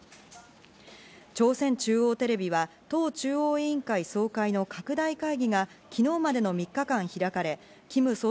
朝鮮中央テレビは党中央委員会総会の拡大会議が昨日までの３日間、開かれ、キム総